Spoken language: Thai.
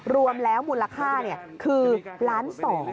รวมแล้วมูลค่าคือ๑๒ล้าน